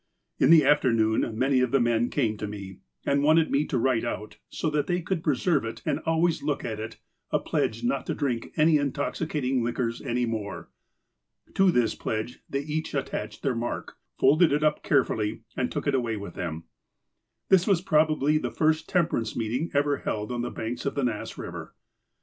" In the afternoon, many of the men came to me, and wanted me to write out, so that they could preserve it and always look at it, a pledge not to drink any intoxi cating liquors any more. To this pledge they each attached their mark, folded it up carefully, and took it away with them." This was probably the first temperance meeting ever held on the banks of the Nass Eiver.